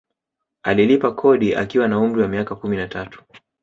Alilipa kodi akiwa na umri wa miaka kumi na tatu